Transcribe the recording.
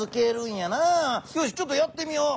よしちょっとやってみよう。